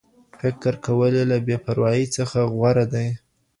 فکر کول له بې پروايۍ څخه غوره دي.